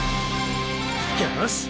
よし！